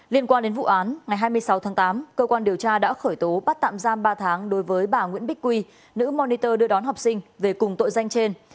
liên quan đến vụ án ngày hai mươi sáu tháng tám cơ quan điều tra đã khởi tố bắt tạm giam ba tháng đối với bà nguyễn bích quy nữ moniter đưa đón học sinh về cùng tội danh trên